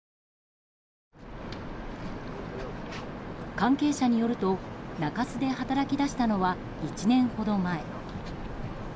関係者によると、中洲で働き出したのは１年ほど前。